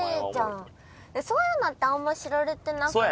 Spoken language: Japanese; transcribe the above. そういうのってあんま知られてなくない？